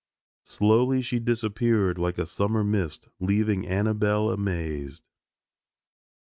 Slowly she disappeared like a summer mist, leaving Annabelle amazed.